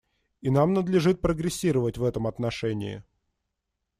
И нам надлежит прогрессировать в этом отношении.